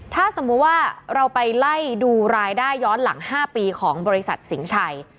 ถ้าสมมุติว่าเราไปไล่ดูรายได้ย้อนหลัง๕ปีของบริษัทสิงห์ชัย